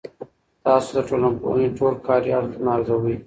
تاسو د ټولنپوهنې ټول کاري اړخونه ارزوي؟